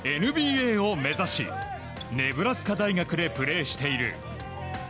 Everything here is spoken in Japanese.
ＮＢＡを目指しネブラスカ大学でプレーしている。